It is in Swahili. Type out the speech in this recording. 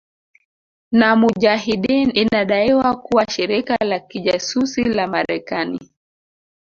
na mujahideen inadaiwa kuwa shirika la kijasusi la Marekani